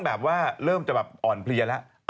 ดื่มแก้วแรก